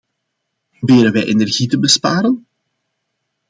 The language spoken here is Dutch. Proberen wij energie te besparen?